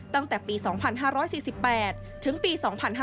ตั้งแต่ปี๒๕๔๘ถึงปี๒๕๕๙